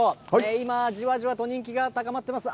今、じわじわと人気が高まっていますよ